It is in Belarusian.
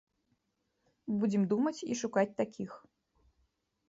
Будзем думаць і шукаць такіх.